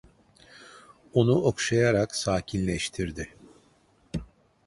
Onu okşayarak sakinleştirdi...